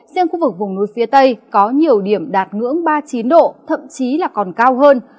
riêng khu vực vùng núi phía tây có nhiều điểm đạt ngưỡng ba mươi chín độ thậm chí là còn cao hơn